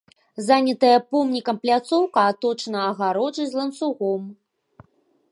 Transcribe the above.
Занятая помнікам пляцоўка аточана агароджай з ланцугом.